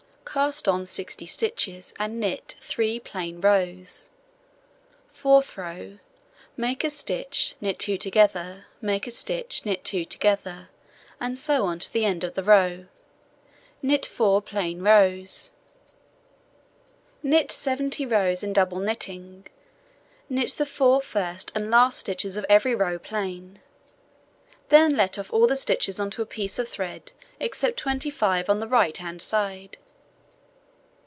Cast on 60 stitches, and knit 3 plain rows. Fourth row: Make a stitch, knit 2 together, make a stitch, knit 2 together, and so on to the end of the row; knit 4 plain rows, knit 70 rows in double knitting, knit the 4 first and last stitches of every row plain, then let off all the stitches on to a piece of thread, except 25 on the right hand side.